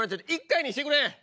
１回にしてくれ。